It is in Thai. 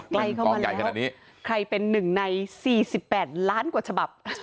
ใกล้เข้ามาแล้วใครเป็นหนึ่งใน๔๘ล้านกว่าฉบับ